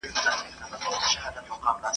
یوه بله کښتۍ ډکه له ماهیانو ..